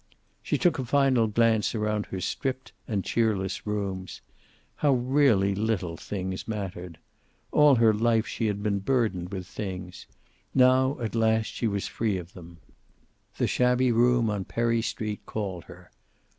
She took a final glance around her stripped and cheerless rooms. How really little things mattered! All her life she had been burdened with things. Now at last she was free of them. The shabby room on Perry Street called her.